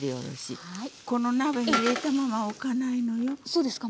そうですか。